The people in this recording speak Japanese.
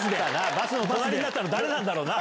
バスの隣になったの誰だろうな？